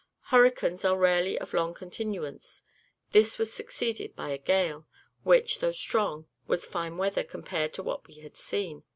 Hurricanes are rarely of long continuance; this was succeeded by a gale, which, though strong, was fine weather compared to what we had seen.